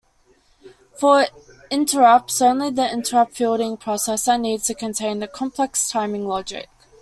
For interrupts, only the "interrupt-fielding processor" needs to contain the complex timing logic.